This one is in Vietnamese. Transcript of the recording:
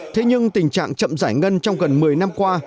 thế nhưng tình trạng chậm giải ngân trong gần một mươi năm qua